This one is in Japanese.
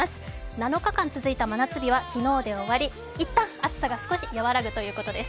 ７日間続いた真夏日は昨日で終わり、いったん暑さが少し和らぐということです。